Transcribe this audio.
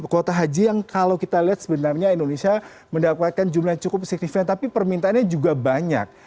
kuota haji yang kalau kita lihat sebenarnya indonesia mendapatkan jumlah yang cukup signifikan tapi permintaannya juga banyak